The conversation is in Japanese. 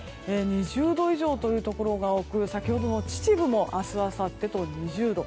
２０度以上というところが多く先ほどの秩父も明日あさってと２０度。